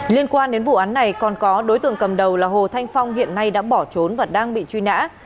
liên quan đến vụ án này còn có đối tượng cầm đầu là hồ thanh phong hiện nay đã bỏ trốn và đang bị truy nã